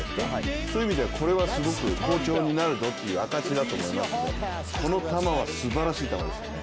そういう意味ではこれはすごく好調になるぞという証しだと思いますのでこの球はすばらしい球ですね。